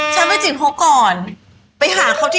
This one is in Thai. แต่ว่าไม่ได้เล่นรักษท์